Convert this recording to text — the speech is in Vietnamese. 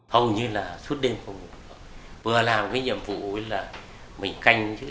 hầu như là suốt đêm cũng vừa làm cái nhiệm vụ là mình canh chứ